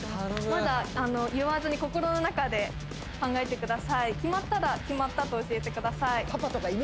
まだ言わずに心の中で考えてください決まったら決まったと教えてください